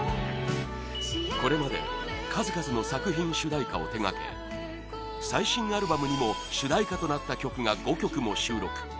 これまで数々の作品主題歌を手掛け最新アルバムにも主題歌となった曲が５曲も収録